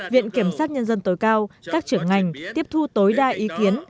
viện kiểm sát nhân dân tối cao các trưởng ngành tiếp thu tối đa ý kiến